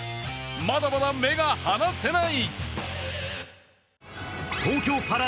まだまだ目が離せない。